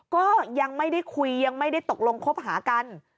ก็ยังไม่ได้คุยยังไม่ได้ตกลงคบหากัน